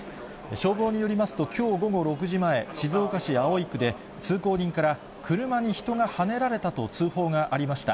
消防によりますと、きょう午後６時前、静岡市葵区で、通行人から車に人がはねられたと通報がありました。